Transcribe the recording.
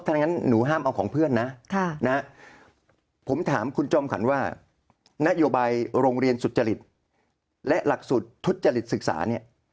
ถ้างั้นหนูห้ามเอาของเพื่อนนะผมถามคุณจอมขวัญว่านโยบายโรงเรียนสุจริตและหลักสูตรทุจริตศึกษาเนี่ย